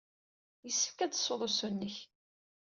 Yessefk ad d-tessud usu-nnek.